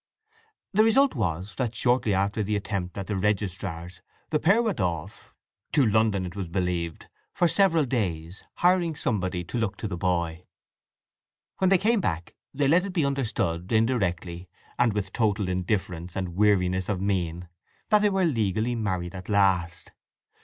The result was that shortly after the attempt at the registrar's the pair went off—to London it was believed—for several days, hiring somebody to look to the boy. When they came back they let it be understood indirectly, and with total indifference and weariness of mien, that they were legally married at last.